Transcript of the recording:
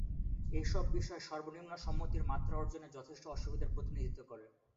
এসব বিষয় সর্বনিম্ন সম্মতির মাত্রা অর্জনে যথেষ্ট অসুবিধার প্রতিনিধিত্ব করে।